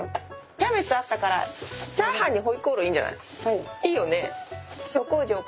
キャベツあったからチャーハンに回鍋肉いいんじゃない？いいよね？